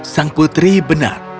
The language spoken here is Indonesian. sang putri benar